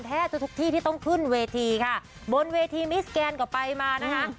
แทบทุกทุกที่ที่ต้องขึ้นเวทีค่ะบนเวทีมิสแกนก็ไปมานะคะ